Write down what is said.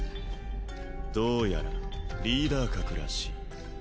どうやらリーダー格らしい。